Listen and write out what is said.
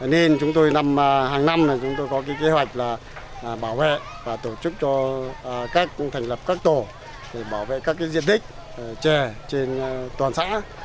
nên chúng tôi hàng năm là chúng tôi có cái kế hoạch là bảo vệ và tổ chức cho các thành lập các tổ để bảo vệ các cái diện tích trẻ trên toàn xã